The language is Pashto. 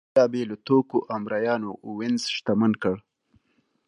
بېلابېلو توکو او مریانو وینز شتمن کړ.